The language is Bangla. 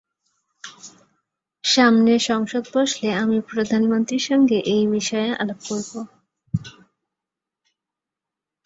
সামনে সংসদ বসলে আমি প্রধানমন্ত্রীর সঙ্গে এ বিষয়ে আলাপ করব।